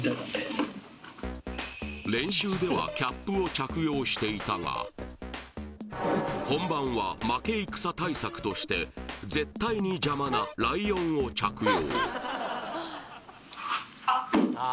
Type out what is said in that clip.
それでしていたが本番は負け戦対策として絶対に邪魔なライオンを着用